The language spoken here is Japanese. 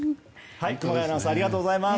熊谷アナウンサーありがとうございます。